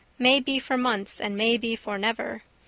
May be for months and may be for never.